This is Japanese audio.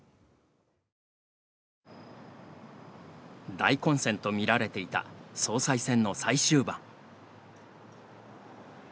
大混戦と見られていた総裁選の最終盤。